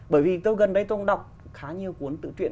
bởi vì tôi gần đây tôi đọc khá nhiều cuốn tự truyện